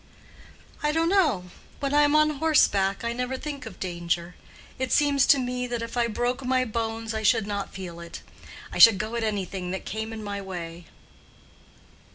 "I don't know. When I am on horseback I never think of danger. It seems to me that if I broke my bones I should not feel it. I should go at anything that came in my way."